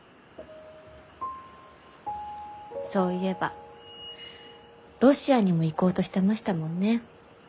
そういえばロシアにも行こうとしてましたもんね。